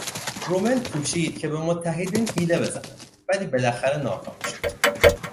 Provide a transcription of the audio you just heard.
رومل کوشید که به متحدین حیله بزند ولی بالاخره ناکام شد.